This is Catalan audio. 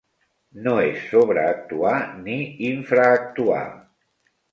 No és sobreactuar ni infraactuar.